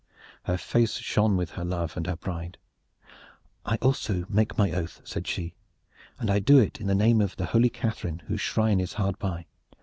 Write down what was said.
Her face shone with her love and her pride. "I also make my oath," said she, "and I do it in the name of the holy Catharine whose shrine is hard by.